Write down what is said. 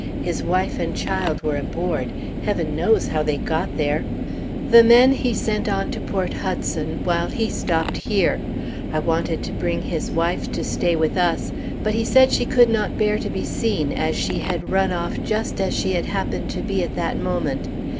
His wife and child were aboard. Heaven knows how they got there! The men he sent on to Port Hudson, while he stopped here. I wanted to bring his wife to stay with us; but he said she could not bear to be seen, as she had run off just as she had happened to be at that moment.